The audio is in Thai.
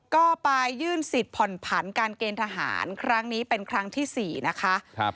ก็ไปยื่นสิทธิ์ผ่อนผันการเกณฑ์ทหารครั้งนี้เป็นครั้งที่๔นะคะ